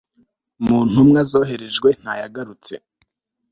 Mu ntumwa zoherejwe ntayagarutse